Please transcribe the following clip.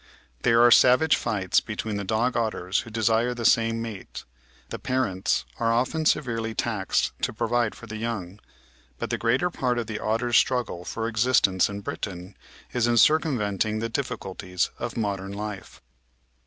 There are savage fights between two dog otters who desire the same mate; the parents are often severely taxed to provide for the young; but the greater part of the otter *s struggle for existence in Britain is in circumventing the difficulties of modem life.